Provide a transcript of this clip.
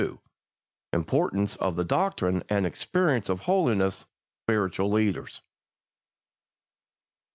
XXII. IMPORTANCE OF THE DOCTRINE AND EXPERIENCE OF HOLINESS TO SPIRITUAL LEADERS.